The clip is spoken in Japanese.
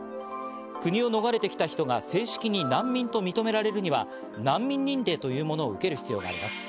国を逃れてきた人が正式に難民として認められるには難民認定というものを受ける必要があります。